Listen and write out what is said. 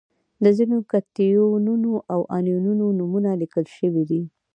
د ځینو کتیونونو او انیونونو نومونه لیکل شوي دي.